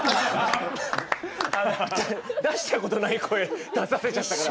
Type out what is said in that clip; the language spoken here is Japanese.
出したことない声出させちゃったから。